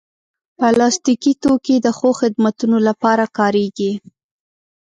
پلاستيکي توکي د ښو خدمتونو لپاره کارېږي.